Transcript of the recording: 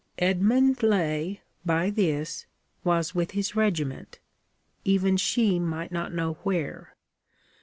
Edmund Laye, by this, was with his regiment even she might not know where.